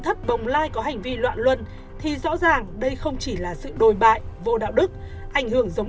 thất bồng lai có hành vi loạn luân thì rõ ràng đây không chỉ là sự đồi bại vô đạo đức ảnh hưởng giống